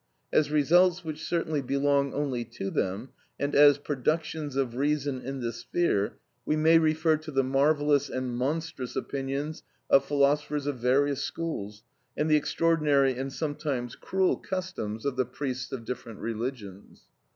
As results which certainly belong only to them, and as productions of reason in this sphere, we may refer to the marvellous and monstrous opinions of philosophers of various schools, and the extraordinary and sometimes cruel customs of the priests of different religions.